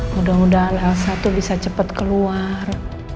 mudah mudahan elsa tuh bisa cepet keluar